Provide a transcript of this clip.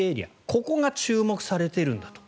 ここが注目されているんだと。